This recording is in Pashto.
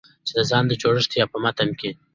چې د ځان د جوړښت يا په متن کې